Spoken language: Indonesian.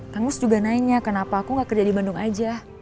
kangus juga nanya kenapa aku gak kerja di bandung aja